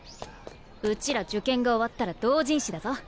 うちら受験が終わったら同人誌だぞ。